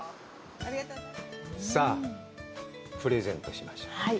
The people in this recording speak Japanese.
さあ、プレゼントしましょう！